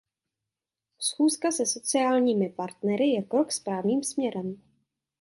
Schůzka se sociálními partnery je krok správným směrem.